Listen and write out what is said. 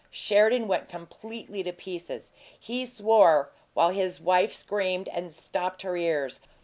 Sheridan went completely to pieces: he swore, while his wife screamed and stopped her ears.